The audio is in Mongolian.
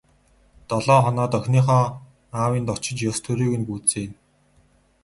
Долоо хоноод охиныхоо аавынд очиж ёс төрийг нь гүйцээнэ.